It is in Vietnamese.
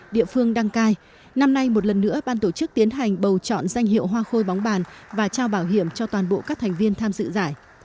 địa phương đăng cai năm nay một lần nữa ban tổ chức tiến hành bầu chọn danh hiệu hoa khôi bóng bàn và trao bảo hiểm cho toàn bộ các thành viên tham dự giải